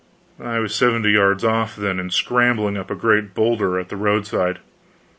I was seventy yards off, then, and scrambling up a great bowlder at the roadside.